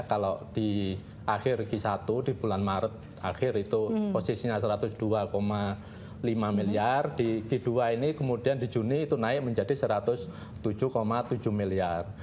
kalau di akhir q satu di bulan maret akhir itu posisinya satu ratus dua lima miliar di q dua ini kemudian di juni itu naik menjadi satu ratus tujuh tujuh miliar